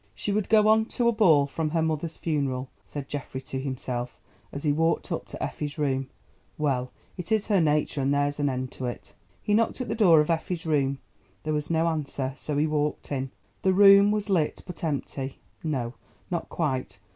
"She would go on to a ball from her mother's funeral," said Geoffrey to himself, as he walked up to Effie's room; "well, it is her nature and there's an end of it." He knocked at the door of Effie's room. There was no answer, so he walked in. The room was lit but empty—no, not quite!